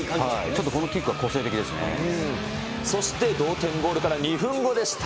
ちょっとこのキックは個性的そして同点ゴールから２分後でした。